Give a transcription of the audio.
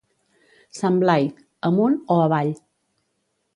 Sant Blai, amunt o avall.